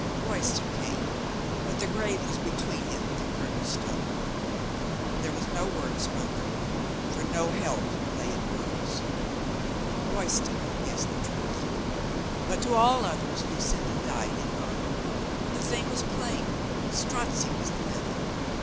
Royston came, but the grave was between him and Colonel Stow. There was no word spoken, for no help lay in words. Royston guessed the truth. But to all others Lucinda died in honor. The thing was plain. Strozzi was the villain.